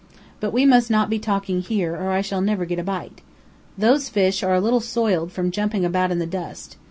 But we must not be talking here or I shall never get a bite. Those fish are a little soiled from jumping about in the dust.